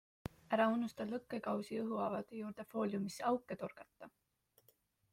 Ära unusta lõkkekausi õhuavade juurde fooliumisse auke torgata!